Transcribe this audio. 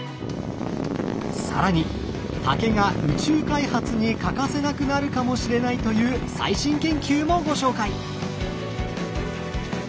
更に竹が宇宙開発に欠かせなくなるかもしれないという最新研究もご紹介！